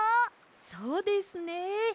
そうですね。